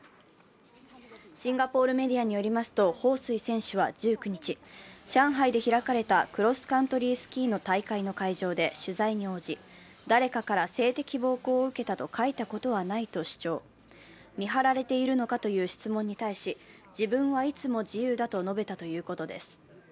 シンガポールメディアによりますと、彭帥選手は１９日上海で開かれたクロスカントリースキーの大会の会場で取材に応じ誰かから性的暴行を受けたと書いたことはないと主張、見張られているのか？という質問に対し、自分はいつも自由だと述べたということです。